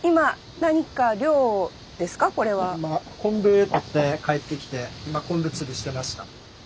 今昆布とって帰ってきて今昆布つるしてました。